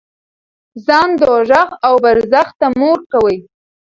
ځان دوزخ او برزخ ته مه ورکوئ.